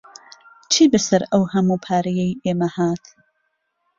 چی بەسەر ئەو هەموو پارەیەی ئێمە هات؟